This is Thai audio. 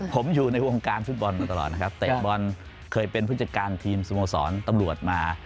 ผมอยู่ในวงการฟุตบอลมาตลอดนะครับเตะบอลเคยเป็นผู้จัดการทีมสโมสรตำรวจมา